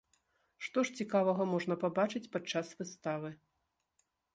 Што ж цікавага можна пабачыць падчас выставы.